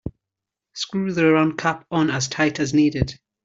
Screw the round cap on as tight as needed.